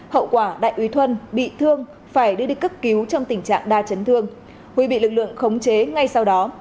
hậu quả đại úy thuân bị thương phải đưa đi cấp cứu trong tình trạng đa chấn thương huy bị lực lượng khống chế ngay sau đó